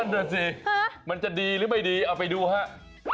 นั่นแหละสิมันจะดีหรือไม่ดีเอาไปดูฮะฮ่า